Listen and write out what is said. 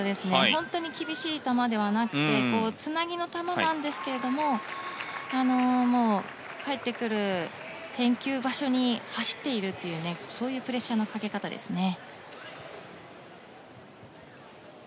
本当に厳しい球ではなくてつなぎの球なんですけれども返ってくる、返球場所に走っているというそういうプレッシャーのかけ方ですね。